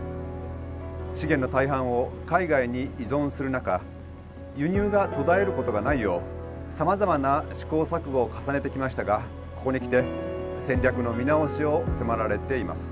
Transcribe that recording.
資源の大半を海外に依存する中輸入が途絶えることがないようさまざまな試行錯誤を重ねてきましたがここに来て戦略の見直しを迫られています。